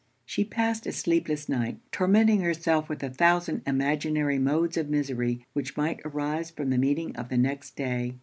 She passed a sleepless night, tormenting herself with a thousand imaginary modes of misery which might arise from the meeting of the next day.